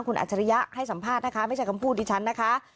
คุณอัจฉริยะให้สัมภาษณ์นะคะไม่ใช่คำพูดดิฉันนะคะ